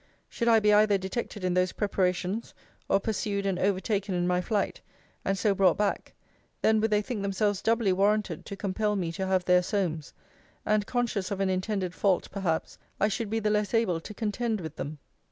Should I be either detected in those preparations, or pursued and overtaken in my flight, and so brought back, then would they think themselves doubly warranted to compel me to have their Solmes: and, conscious of an intended fault, perhaps, I should be the less able to contend with them.